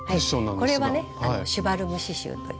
これはね「シュヴァルム」刺しゅうという。